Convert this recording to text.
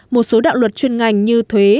một số đạo luật chuyên ngành như thuế